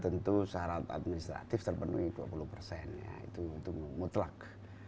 tentu syarat administratif terpenuhi dua puluh persen ya itu mutlak